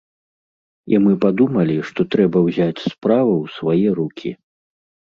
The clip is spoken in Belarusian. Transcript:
І мы падумалі, што трэба ўзяць справу ў свае рукі.